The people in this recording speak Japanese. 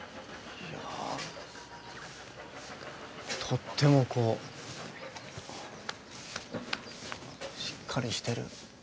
とってもこうしっかりしてる。